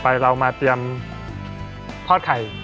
ต่อไปเรามาเตรียมทอดไข่